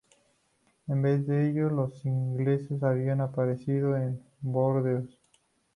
En vez de ello, los ingleses habían aparecido en Burdeos.